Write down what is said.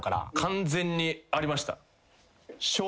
完全にありました。